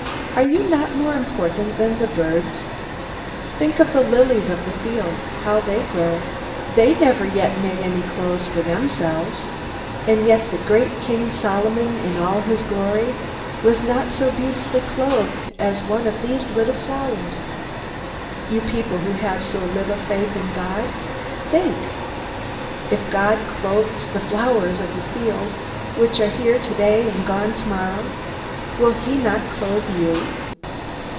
Are you not more important than birds? Think of the lilies of the field, how they grow. They never yet made any clothes for themselves, and yet the great King Solomon in all his glory was not so beautifully clothed as one of these little flowers. You people who have so little faith in God think! If God clothes the flowers of the field, which are here today and gone tomorrow, will he not clothe you?